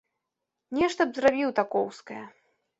Нешта б зрабіў такоўскае.